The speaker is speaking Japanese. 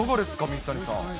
水谷さん。